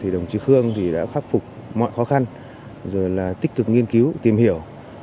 đồng chí khương đã khắc phục mọi khó khăn tích cực nghiên cứu tìm hiểu